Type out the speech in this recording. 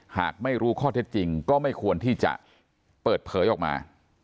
หากไม่รู้ข้อเท็จจริงก็ไม่ควรที่จะเปิดเผยออกมา